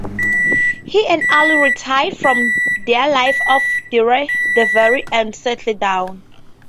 He and Al retire from their life of daredevilry and settle down.